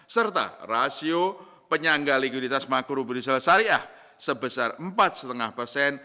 serta rasio penyangga likuiditas makro berinisial syariah sebesar empat lima persen